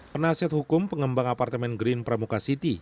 penasihat hukum pengembang apartemen green pramuka city